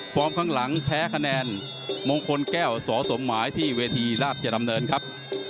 ข้างหลังแพ้คะแนนมงคลแก้วสสมหมายที่เวทีราชดำเนินครับ